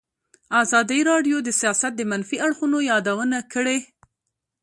ازادي راډیو د سیاست د منفي اړخونو یادونه کړې.